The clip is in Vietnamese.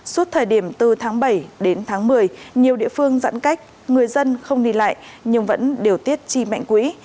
suốt thời điểm từ tháng bảy đến tháng một mươi nhiều địa phương giãn cách người dân không đi lại nhưng vẫn điều tiết chi mạnh quỹ